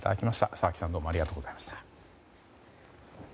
沢木さんありがとうございました。